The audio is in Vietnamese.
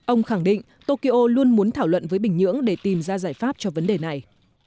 ông khẳng định tokyo luôn muốn thảo luận với bình nhưỡng để tìm ra giải pháp cho vấn đề này